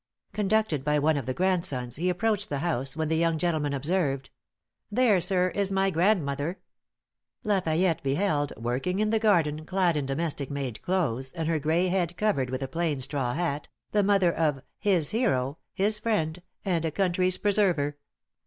Conducted by one of her grandsons, he approached the house, when the young gentleman observed: 'There, sir, is my grandmother.' La Fayette beheld working in the garden, clad in domestic made clothes, and her grey head covered with a plain straw hat the mother of 'his hero, his friend and a country's preserver!'